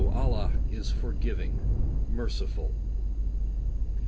Allah is Forgiving, Merciful.